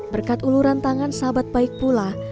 berkat uluran tangan sahabat baik pula